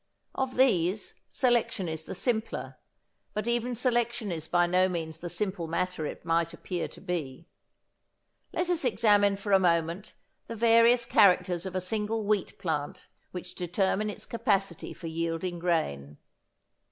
Of these selection is the simpler, but even selection is by no means the simple matter it might appear to be. Let us examine for a moment the various characters of a single wheat plant which determine its capacity for yielding grain.